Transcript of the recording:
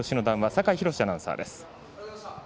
酒井博司アナウンサーです。